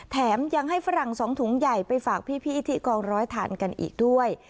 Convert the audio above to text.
แถมยังให้ฝรั่ง๒ถุงใหญ่ไปฝากพี่ที่กองร้อยทานกันอีกด้วย